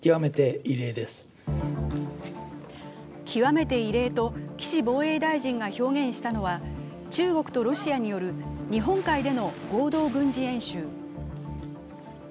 極めて異例と岸防衛大臣が表現したのは中国とロシアによる日本海での合同軍事演習。